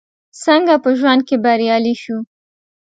څنګه په ژوند کې بريالي شو ؟